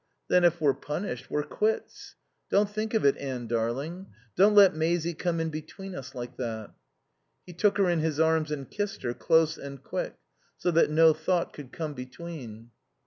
"Then, if we're punished we're quits. Don't think of it, Anne darling. Don't let Maisie come in between us like that." He took her in his arms and kissed her, close and quick, so that no thought could come between.